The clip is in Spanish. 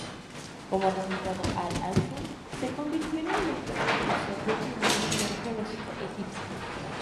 Como resultado, Al-Alsun se convirtió en el núcleo precursor del primer museo arqueológico egipcio.